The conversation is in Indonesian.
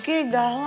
ma palmernya gada